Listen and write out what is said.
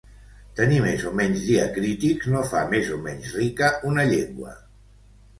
Tenir més o menys diacrítics no fa més o menys rica una llengua.